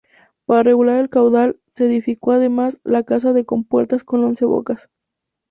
Para regular el caudal se edificó además, la Casa de Compuertas con once bocas.